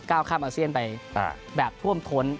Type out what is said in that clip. ข้ามอาเซียนไปแบบท่วมท้น